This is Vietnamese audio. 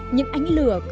những ánh lửa cứ chạy